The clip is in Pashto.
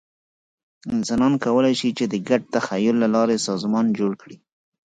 انسانان کولی شي، چې د ګډ تخیل له لارې سازمان جوړ کړي.